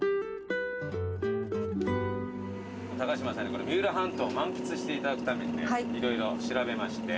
高島さんにこれ三浦半島を満喫していただくためにね色々調べまして。